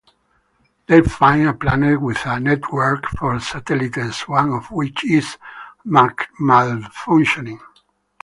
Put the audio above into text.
They find a planet with a network of satellites, one of which is malfunctioning.